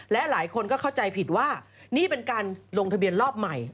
และหลายคนก็เข้าใจผิดว่านี่เป็นการลงทะเบียนรอบใหม่